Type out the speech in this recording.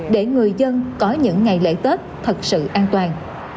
để người dân có những ngày lễ tết thật sự an toàn